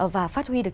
và phát huy được